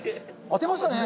当てましたね！